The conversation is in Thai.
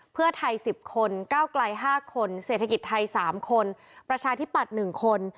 เพื่อไทย๑๐คนก้าวไกล๕คนเศรษฐกิจไทย๓คนประชาธิปัตย์๑คน